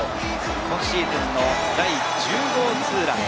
今シーズン第１０号ツーラン。